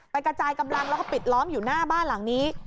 กระจายกำลังแล้วก็ปิดล้อมอยู่หน้าบ้านหลังนี้